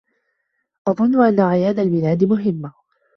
أظن أن أعياد الميلاد مهمة.